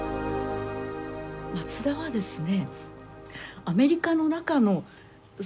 松田はですね